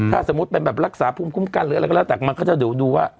ถ้าสมมุติเป็นแบบรักษาภูมิคุ้มกันหรืออะไรก็แล้วแต่มันก็จะเดี๋ยวดูว่า